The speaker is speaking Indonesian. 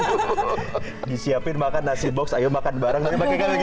ansmagaj uasa ia dia di lemas soalnya saya sebagai sosok yang lain diri saya yang sebenarnya itu kan oj